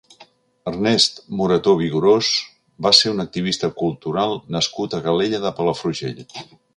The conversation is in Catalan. Ernest Morató Vigorós va ser un activista cultural nascut a Calella de Palafrugell.